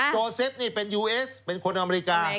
โซเซฟนี่เป็นยูเอสเป็นคนอเมริกา